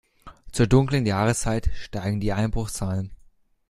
Zur dunklen Jahreszeit steigen die Einbruchszahlen.